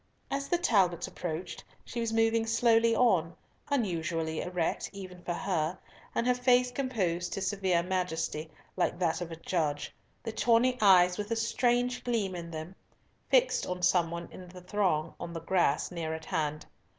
As the Talbots approached, she was moving slowly on, unusually erect even for her, and her face composed to severe majesty, like that of a judge, the tawny eyes with a strange gleam in them fixed on some one in the throng on the grass near at hand.